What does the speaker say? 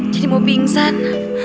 jadi mau pingsan